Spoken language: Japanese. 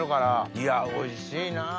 いやおいしいなぁ。